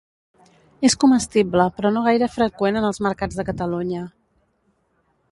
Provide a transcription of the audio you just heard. És comestible però no gaire freqüent en els mercats de Catalunya.